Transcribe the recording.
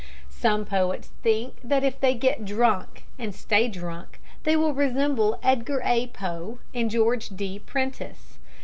Some poets think that if they get drunk and stay drunk they will resemble Edgar A. Poe and George D. Prentice.